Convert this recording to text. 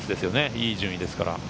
いい順位ですから。